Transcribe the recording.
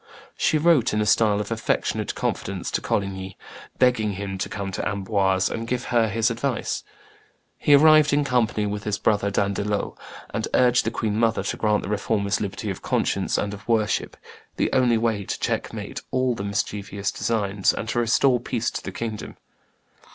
She wrote, in a style of affectionate confidence, to Coligny, begging him to come to Amboise and give her his advice. He arrived in company with his brother D'Andelot, and urged the queen mother to grant the Reformers liberty of conscience and of worship, the only way to checkmate all the mischievous designs and to restore peace to the kingdom.